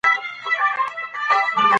دا ژبه د پوهانو او عارفانو ژبه ده.